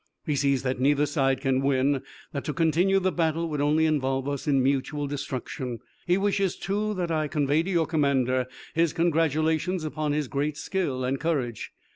He sees that neither side can win, that to continue the battle would only involve us in mutual destruction. He wishes, too, that I convey to your commander his congratulations upon his great skill and courage.